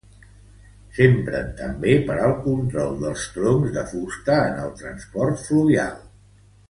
S'empren també per al control dels troncs de fusta en el transport fluvial.